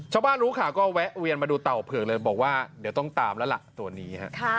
รู้ข่าวก็แวะเวียนมาดูเต่าเผือกเลยบอกว่าเดี๋ยวต้องตามแล้วล่ะตัวนี้